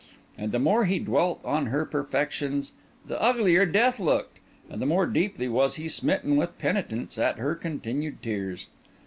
And the more he dwelt on her perfections, the uglier death looked, and the more deeply was he smitten with penitence at her continued tears.